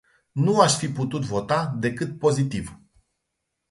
Nu aș fi putut vota decât pozitiv.